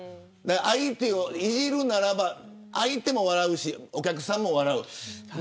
相手をいじるならば相手も笑うし、お客さんも笑う。